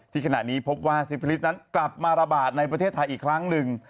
ขณะนี้พบว่าซิฟิลิสนั้นกลับมาระบาดในประเทศไทยอีกครั้งหนึ่ง